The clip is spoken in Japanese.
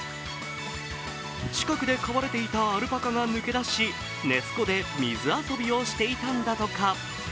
近くで飼われていたアルパカが抜けだしネス湖で水遊びをしていたんだとか。